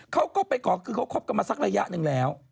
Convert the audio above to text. เขาก็ไปขอคือเขาคบกันมาสักระยะหนึ่งแล้ว